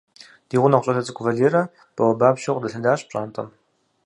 Ди гъунэгъу щӀалэ цӀыкӀу Валерэ бауэбапщэу къыдэлъэдащ пщӀантӀэм.